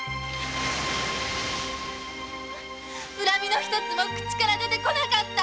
恨みの一つも口から出て来なかった